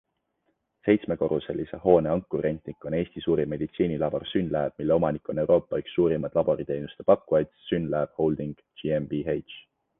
Seitsmekorruselise hoone ankurrentnik on Eesti suurim meditsiinilabor SYNLAB, mille omanik on Euroopa üks suurimaid laboriteenuste pakkujaid SYNLAB Holding GmbH.